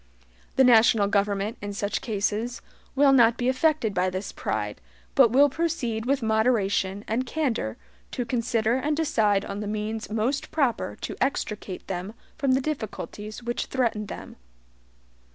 The national government, in such cases, will not be affected by this pride, but will proceed with moderation and candor to consider and decide on the means most proper to extricate them from the difficulties which threaten them.